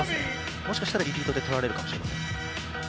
もしかするとリピートで取られるかもしれません。